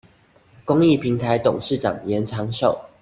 公益平臺董事長嚴長壽